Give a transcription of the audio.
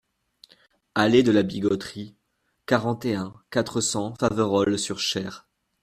Allée de la Bigotterie, quarante et un, quatre cents Faverolles-sur-Cher